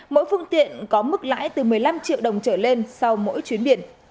mỗi phương tiện có mức lãi từ một mươi năm triệu đồng trở lên sau mỗi chuyến biển